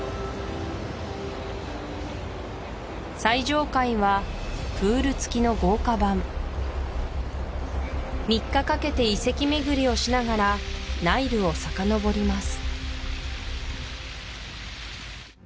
最上階はプール付きの豪華版３日かけて遺跡巡りをしながらナイルをさかのぼります